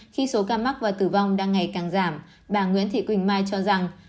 khi số ca mắc và tử vong đang ngày càng giảm bà nguyễn thị quỳnh mai cho rằng